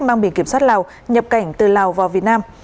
mang biển kiểm soát lào nhập cảnh từ lào vào việt nam